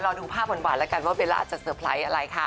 ร่วมกันกับแฟนคลับ